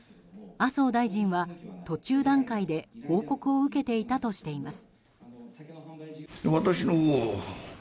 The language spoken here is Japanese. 麻生大臣は途中段階で報告を受けていたとしています。